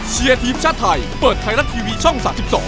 เชียร์ทีมชาติไทยเปิดไทยรัฐทีวีช่อง๓๒